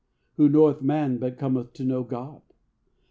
Who knoweth man but cometh to know God?